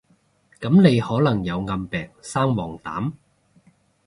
噉你可能有暗病生黃疸？